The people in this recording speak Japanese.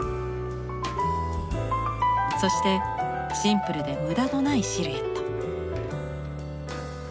そしてシンプルで無駄のないシルエット。